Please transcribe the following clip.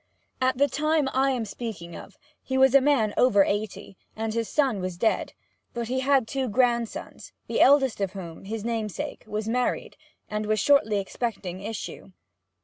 At the time I am speaking of he was a man over eighty, and his son was dead; but he had two grandsons, the eldest of whom, his namesake, was married, and was shortly expecting issue.